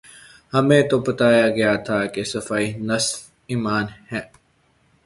ہمیں تو بتایا گیا تھا کہ صفائی نصف ایمان ہے۔